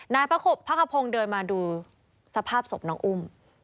นายพระกระโพงเดินมาดูสภาพศพน้องอุ้ม